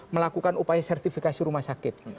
melakukan upaya sertifikasi rumah sakit